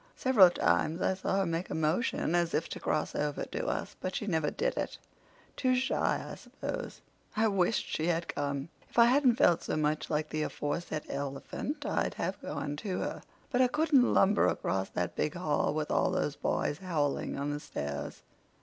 Several times I saw her make a motion as if to cross over to us, but she never did it—too shy, I suppose. I wished she would come. If I hadn't felt so much like the aforesaid elephant I'd have gone to her. But I couldn't lumber across that big hall with all those boys howling on the stairs.